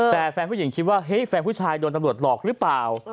แต่แฟนผู้หญิงคิดว่าเฮ้ยแฟนผู้ชายโดนตำรวจหลอกหรือเปล่า